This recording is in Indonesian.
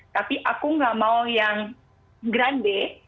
tapi aku gak mau yang grande